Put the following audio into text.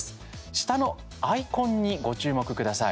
下のアイコンにご注目ください。